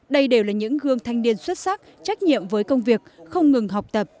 đây đều là những gương thanh niên xuất sắc trách nhiệm với công việc không ngừng học tập